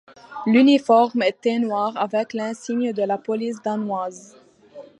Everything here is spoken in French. L'uniforme était noir avec l'insigne de la police danoise.